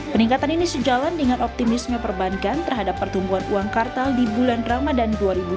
peningkatan ini sejalan dengan optimisme perbankan terhadap pertumbuhan uang kartal di bulan ramadan dua ribu dua puluh